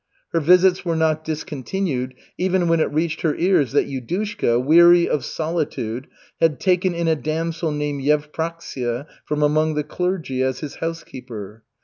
Her visits were not discontinued even when it reached her ears that Yudushka, weary of solitude, had taken in a damsel named Yevpraksia, from among the clergy, as his housekeeper.